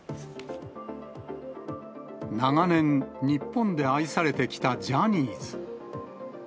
長年、日本で愛されてきたジャニーズ。